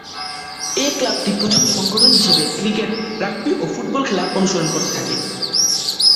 এ ক্লাবটি প্রথম সংগঠন হিসেবে ক্রিকেট, রাগবি ও ফুটবল খেলা অনুশীলন করতে থাকে।